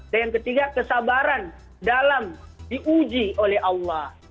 dan yang ketiga kesabaran dalam diuji oleh allah